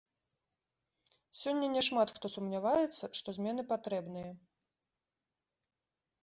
Сёння няшмат хто сумняваецца, што змены патрэбныя.